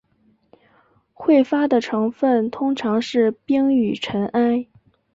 彗发的成分通常是冰与尘埃。